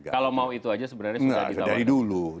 kalau mau itu saja sebenarnya sudah ditawarkan